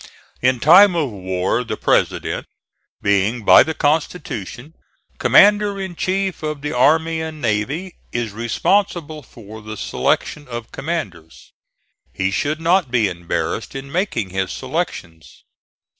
In time of war the President, being by the Constitution Commander in chief of the Army and Navy, is responsible for the selection of commanders. He should not be embarrassed in making his selections.